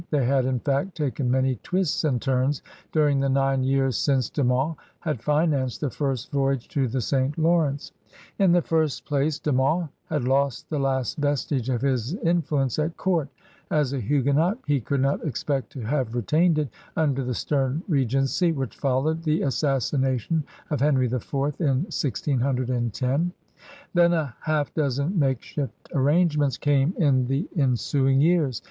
They had» in fact, taken many twists and turns during the nine years since De Monts had financed the first voyage to the St. Lawrence. In the first place, De Monts had lost the last vestige of his influence at court; as a Huguenot he could not expect to have retained it under the stem r^enpy which followed the assassination of Henry IV in 1610. Then a half dozen makeshift arrange ments came in the ensuing years.